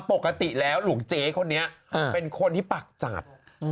ปกติแล้วหลวงเจ๊คนนี้เป็นคนที่ปากจัด